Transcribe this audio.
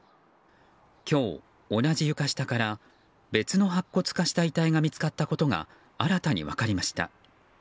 今日、同じ床下から別の白骨化した遺体が見つかったことが新たに分かりました。